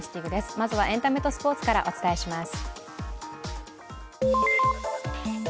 まずはエンタメとスポーツからお伝えします。